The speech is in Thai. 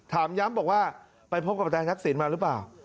ถามย้ำบอกว่าไปพบกับแทนทักศิลป์มาหรือเปล่า